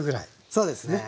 そうですね。